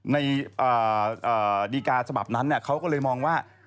ในดีการ์สบับนั้นเนี่ยเขาก็เลยมองว่า